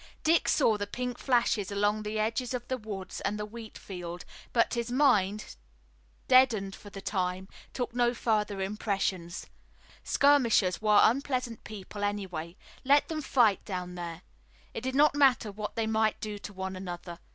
Dick saw the pink flashes along the edges of the woods and the wheat field, but his mind, deadened for the time, took no further impressions. Skirmishers were unpleasant people, anyway. Let them fight down there. It did not matter what they might do to one another.